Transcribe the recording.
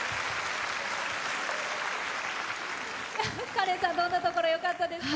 かれんさんどんなところ、よかったですか？